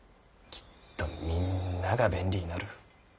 きっとみんなが便利になる。